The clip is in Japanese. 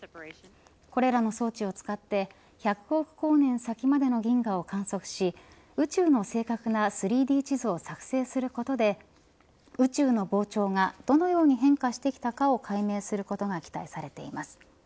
これらの装置を使って１００億光年先までの銀河を観測し宇宙の正確な３Ｄ地図を作成することで宇宙の膨張がどのように変化してきたかを解明することが期待されています。